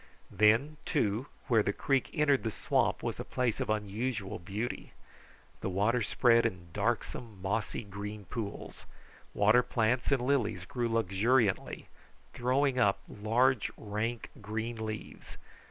Then, too, where the creek entered the swamp was a place of unusual beauty. The water spread in darksome, mossy, green pools. Water plants and lilies grew luxuriantly, throwing up large, rank, green leaves.